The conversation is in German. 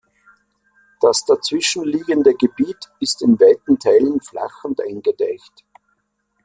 Das dazwischen liegende Gebiet ist in weiten Teilen flach und eingedeicht.